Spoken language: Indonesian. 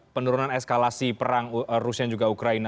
penurunan eskalasi perang rusia dan juga ukraina